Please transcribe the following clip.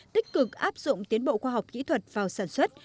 tích cực áp dụng tiến bộ khoa học kỹ thuật